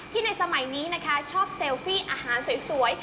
ในสมัยนี้นะคะชอบเซลฟี่อาหารสวย